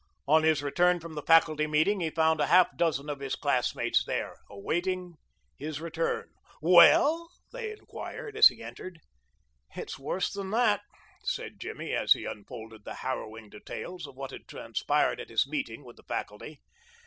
On his return from the faculty meeting he found a half dozen of his classmates there, awaiting his return. "Well?" they inquired as he entered. "It's worse than that," said Jimmy, as he unfolded the harrowing details of what had transpired at his meeting with the faculty.